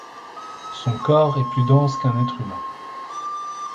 Son corps est plus dense qu'un être humain.